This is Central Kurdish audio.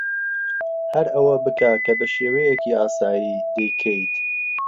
ھەر ئەوە بکە کە بە شێوەیەکی ئاسایی دەیکەیت.